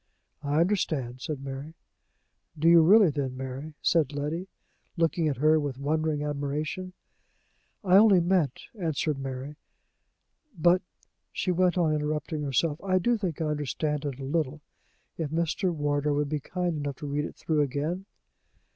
"I understand," said Mary. "Do you really then, Mary?" said Letty, looking at her with wondering admiration. "I only meant," answered Mary "but," she went on, interrupting herself, "I do think I understand it a little. If Mr. Wardour would be kind enough to read it through again!"